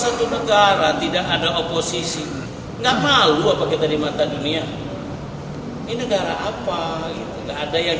satu negara tidak ada oposisi enggak malu apa kita di mata dunia ini negara apa itu ada yang